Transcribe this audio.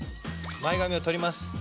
前髪を取ります。